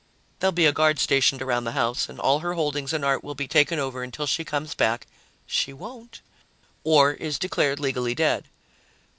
"There'll be a guard stationed around the house and all her holdings and art will be taken over until she comes back " "She won't." " or is declared legally dead."